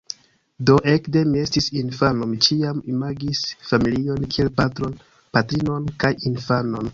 Do, ekde mi estis infano, mi ĉiam imagis familion kiel patron, patrinon kaj infanon.